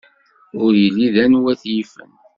Ur yelli d anwa t-yifen.